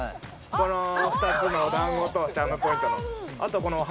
２つのお団子とチャームポイントのこのお花。